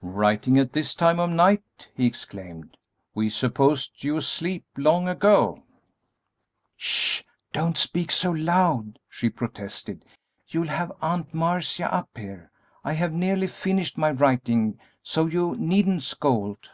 "Writing at this time of night!" he exclaimed; "we supposed you asleep long ago." "Sh! don't speak so loud," she protested. "You'll have Aunt Marcia up here! I have nearly finished my writing, so you needn't scold."